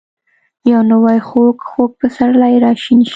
یو نوی ،خوږ. خوږ پسرلی راشین شي